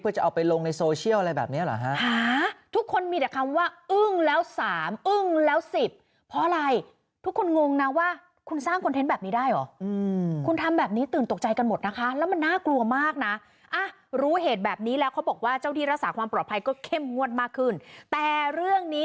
เพื่อจะเอาไปลงในโซเชียลอะไรแบบนี้หรอ